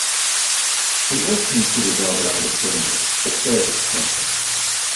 It was considered rather undistinguished, but served its purpose.